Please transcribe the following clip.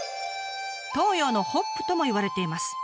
「東洋のホップ」ともいわれています。